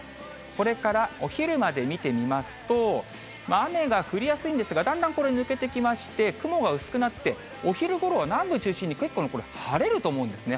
これからお昼まで見てみますと、雨が降りやすいんですが、だんだんこれ、抜けてきまして、雲が薄くなって、お昼ごろは南部中心に結構ね、これ晴れると思うんですね。